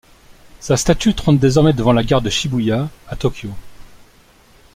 Sa statue trône désormais devant la gare de Shibuya à Tōkyō.